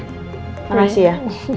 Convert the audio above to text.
terima kasih ya